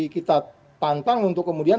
kita tantang untuk kemudian